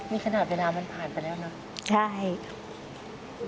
นี่ขนาดเวลามันผ่านไปแล้วเนอะใช่